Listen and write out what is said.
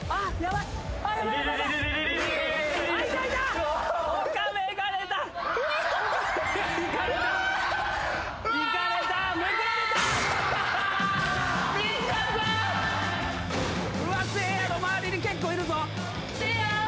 せいやの周りに結構いるぞ。